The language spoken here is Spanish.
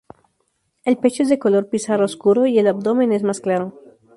El pecho es de color pizarra oscuro y el abdomen es más claro.